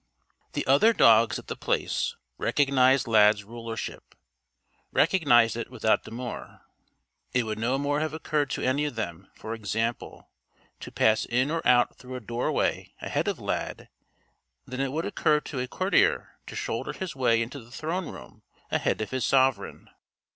The other dogs at The Place recognized Lad's rulership recognized it without demur. It would no more have occurred to any of them, for example, to pass in or out through a doorway ahead of Lad than it would occur to a courtier to shoulder his way into the throne room ahead of his sovereign.